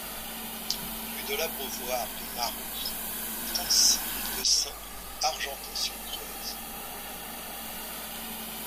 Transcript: Rue de l'Abreuvoir de Maroux, trente-six mille deux cents Argenton-sur-Creuse